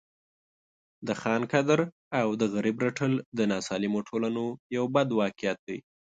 د خان قدر او د غریب رټل د ناسالمو ټولنو یو بد واقعیت دی.